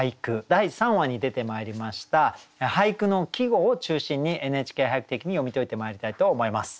第３話に出てまいりました俳句の季語を中心に「ＮＨＫ俳句」的に読み解いてまいりたいと思います。